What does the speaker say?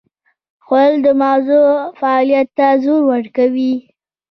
خوړل د مغزو فعالیت ته زور ورکوي